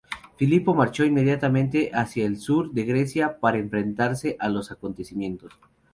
Filipo marchó inmediatamente hacia el sur de Grecia para enfrentarse a los acontecimientos.